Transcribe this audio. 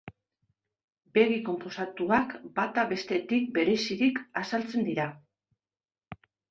Begi konposatuak bata bestetik bereizirik azaltzen dira.